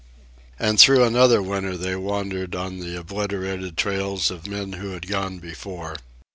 And through another winter they wandered on the obliterated trails of men who had gone before.